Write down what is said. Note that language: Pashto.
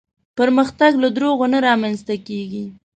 پرمختګ له دروغو نه رامنځته کېږي.